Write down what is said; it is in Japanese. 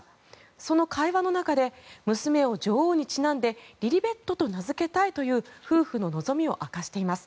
その会話の中で娘を女王にちなんでリリベットと名付けたいという夫婦の望みを明かしています。